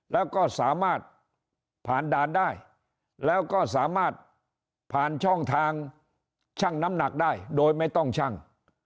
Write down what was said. แล้วก็สามารถผ่านด่านได้แล้วก็สามารถผ่านช่องทางชั่งน้ำหนักได้โดยไม่ต้องชั่ง